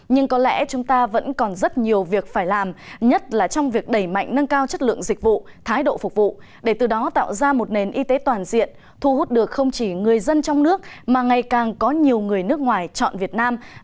nhưng có lẽ chúng ta vẫn còn rất nhiều việc phải làm nhất là trong việc đẩy mạnh nâng cao chất lượng dịch vụ thái độ phục vụ để từ đó tạo ra một nền y tế toàn diện thu hút được không chỉ người dân trong nước mà ngày càng có nhiều người nước ngoài chọn việt nam